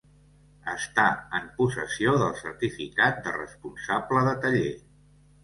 Estar en possessió del certificat de responsable de taller.